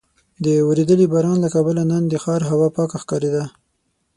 د ورېدلي باران له کبله نن د ښار هوا پاکه ښکارېده.